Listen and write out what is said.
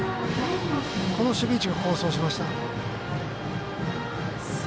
この守備位置が功を奏しました。